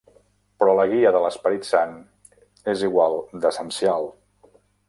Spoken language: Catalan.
Però la guia de l'Esperit Sant es igual d'essencial...